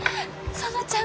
園ちゃん。